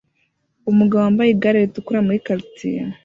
Umugabo wambaye igare ritukura muri quartier